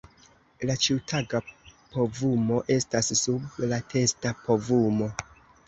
La ĉiutaga povumo estas sub la testa povumo.